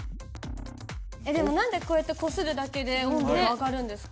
でも何でこうやってこするだけで温度が上がるんですか？